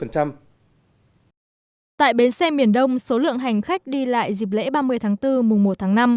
tại bến xe miền đông số lượng hành khách đi lại dịp lễ ba mươi tháng bốn mùa một tháng năm